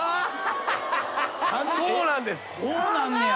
こうなんねや。